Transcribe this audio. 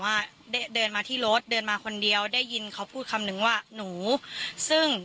ว่าได้เดินมาที่รถเดินมาคนเดียวได้ยินเขาพูดคำนึงว่าหนูซึ่ง